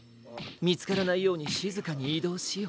みつからないようにしずかにいどうしよう。